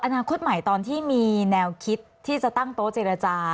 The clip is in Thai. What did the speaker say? อนาคตใหม่ตอนที่มีแนวคิดที่จะตั้งโต๊ะเจรจา